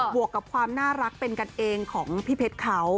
วกกับความน่ารักเป็นกันเองของพี่เพชรเขา